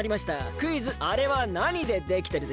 クイズ「あれは何でできてるでしょう？」。